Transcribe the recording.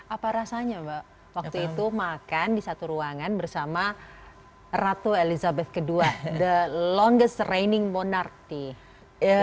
apa rasanya mbak waktu itu makan di satu ruangan bersama ratu elizabeth ii the longers reining monarti